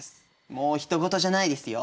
もうひと事じゃないですよ。